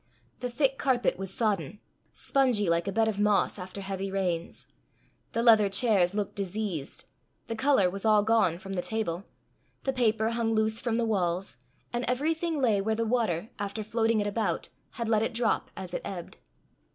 The thick carpet was sodden spongy like a bed of moss after heavy rains; the leather chairs looked diseased; the colour was all gone from the table; the paper hung loose from the walls; and everything lay where the water, after floating it about, had let it drop as it ebbed.